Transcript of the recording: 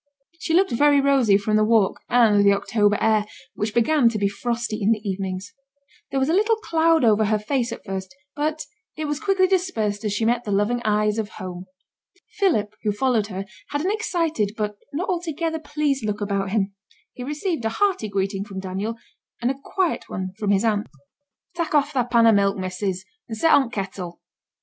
She looked very rosy from the walk, and the October air, which began to be frosty in the evenings; there was a little cloud over her face at first, but it was quickly dispersed as she met the loving eyes of home. Philip, who followed her, had an excited, but not altogether pleased look about him. He received a hearty greeting from Daniel, and a quiet one from his aunt. 'Tak' off thy pan o' milk, missus, and set on t' kettle.